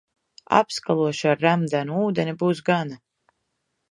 Apskalošu ar remdenu ūdeni, būs gana.